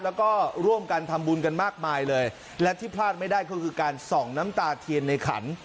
แล้วก็ร่วมกันทำบุญกันมากมายเลยและที่พลาดไม่ได้ก็คือการส่องน้ำตาเทียนในขัน